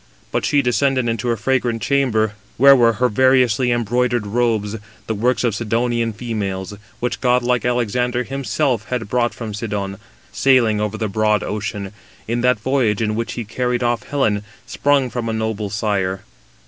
But she descended into her fragrant chamber, where were her variously embroidered robes, the works of Sidonian females, which godlike Alexander himself had brought from Sidon, sailing over the broad ocean, in that voyage in which he carried off Helen, sprung from a noble sire.